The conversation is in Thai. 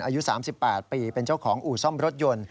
อายุ๓๘ปีเป็นเจ้าของอู่ซ่อมรถยนต์